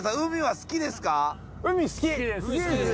好きです。